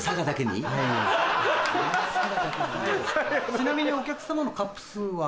ちなみにお客さまのカップ数は？